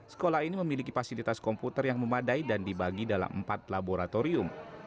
sekolah ini memiliki fasilitas komputer yang memadai dan dibagi dalam empat laboratorium